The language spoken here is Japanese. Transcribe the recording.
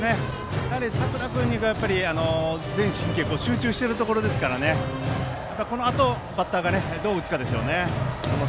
佐倉君に全神経を集中しているところなのでこのあとのバッターがどう打つかですね。